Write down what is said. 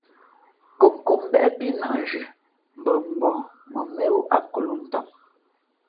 Nkomnkǒm mbéʼ pí nᾱʼ nzhʉʼ mbα mbαα mα mēnwú akolǒʼ ntám.